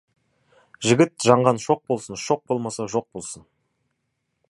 Жігіт жанған шоқ болсын, шоқ болмаса, жоқ болсын.